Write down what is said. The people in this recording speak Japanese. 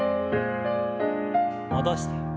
戻して。